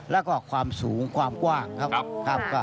แล้วก็ความสูงความกว้างครับ